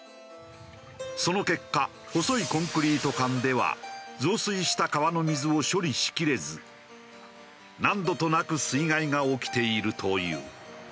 その結果細いコンクリート管では増水した川の水を処理しきれず何度となく水害が起きているという。